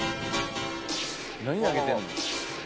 何投げてんの？